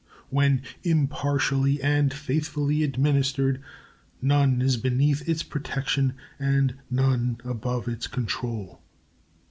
When impartially and faithfully administered, none is beneath its protection and none above its control.